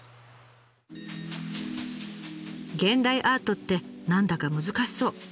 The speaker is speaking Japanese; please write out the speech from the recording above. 現代アートって何だか難しそう。